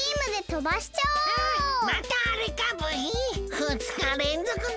ふつかれんぞくだブヒ！